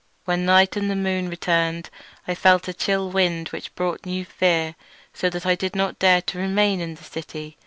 When night and the moon returned I felt a chill wind which brought new fear, so that I did not dare to remain in the city.